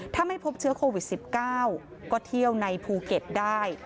ถ้าไม่พบเชื้อโควิด๑๙ก็เที่ยวในภูเก็ตได้